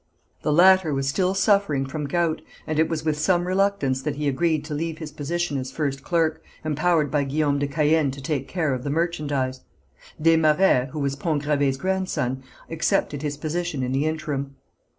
The latter was still suffering from gout, and it was with some reluctance that he agreed to leave his position as first clerk, empowered by Guillaume de Caën to take care of the merchandise. Des Marets, who was Pont Gravé's grandson, accepted his position in the interim.